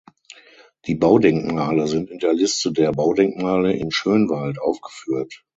Die Baudenkmale sind in der Liste der Baudenkmale in Schönwald aufgeführt.